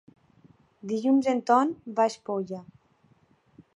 Dilluns en Ton va a Espolla.